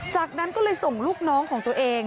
จากนั้นก็เลยส่งลูกน้องของตัวเอง